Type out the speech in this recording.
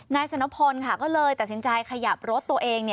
สนพลก็เลยตัดสินใจขยับรถตัวเอง